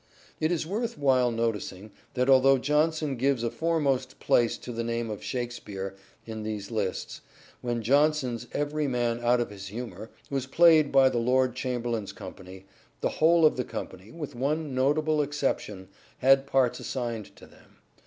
It is worth while noticing that although Jonson gives a foremost place to the name of " Shakespeare " in these lists, when Jonson's " Every Man out of his Humour " was played by the Lord Chamberlain's company, the whole of the company, with one notable exception, had parts assigned to them.